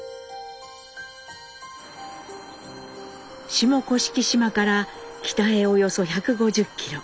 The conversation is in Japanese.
下甑島から北へおよそ１５０キロ